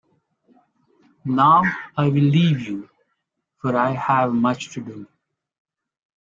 Now I will leave you, for I have much to do.